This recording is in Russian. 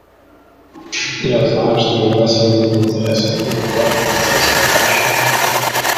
Я знаю, что иногда сиюминутные интересы берут верх над интересами будущего.